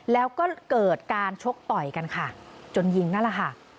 แล้วก็เกิดการชกต่อยกันค่ะจนยิงนั่นแหละค่ะ